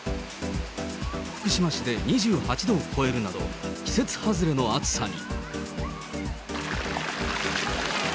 福島市で２８度を超えるなど、季節外れの暑さに。